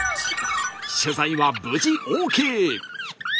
取材は無事ＯＫ。